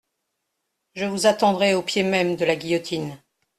Je vous attendrai au pied même de la guillotine.